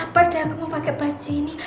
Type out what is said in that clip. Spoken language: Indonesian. gak sabar deh aku mau pake baju ini